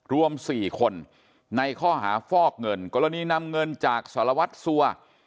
รวม๔คนในข้อหาฟอกเงินกรณีนำเงินจากสารวัตรสัว